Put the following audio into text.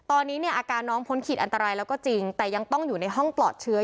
ตอนนี้เนี่ยอาการน้องพ้นขีดอันตรายแล้วก็จริงแต่ยังต้องอยู่ในห้องปลอดเชื้อ